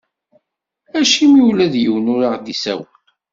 Acimi ula yiwen ur aɣ-d-isawel?